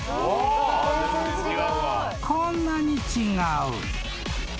［こんなに違う］